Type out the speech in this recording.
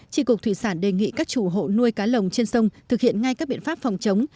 trị cục thủy sản đề nghị các chủ hộ nuôi cá lồng trên sông thực hiện ngay các biện pháp phòng chống